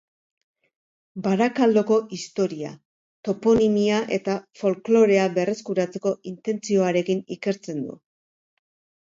Barakaldoko historia, toponimia eta folklorea berreskuratzeko intentzioarekin ikertzen du